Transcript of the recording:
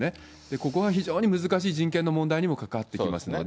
ここは非常に難しい人権の問題にも関わってきますので。